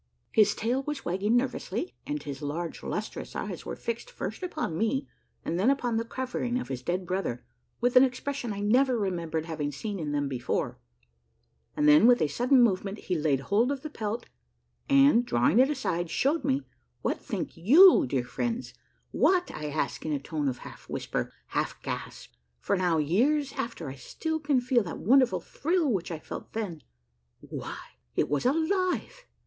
His tail was wagging nervously, and his large, lus trous eyes were fixed first upon me and then upon the covering of his dead brother with an expression I never remembered hav ing seen in them before, and then with a sudden movement he laid hold of the pelt and, drawing it aside, showed me, what think you, dear friends, what, I ask in a tone half whisper, half gasp, for now years after I still can feel that wonderful thrill which I felt then ? Why, it was alive